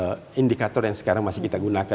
ini ada indikator yang sekarang masih kita gunakan